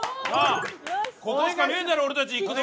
ここしかねえだろ俺たちいくの。